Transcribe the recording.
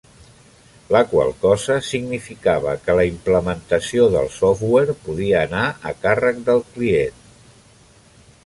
La qual cosa significava que la implementació del software podia anar a càrrec del client.